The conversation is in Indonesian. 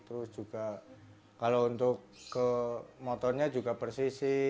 terus juga kalau untuk ke motornya juga persisi